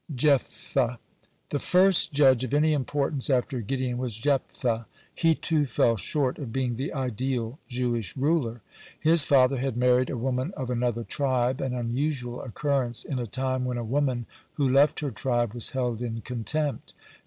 (105) JEPHTHAH The first judge of any importance after Gideon was Jephthah. He, too, fell short of being the ideal Jewish ruler. His father had married a woman of another tribe, an unusual occurrence in a time when a woman who left her tribe was held in contempt.